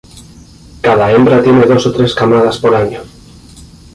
Cada hembra tiene dos o tres camadas por año.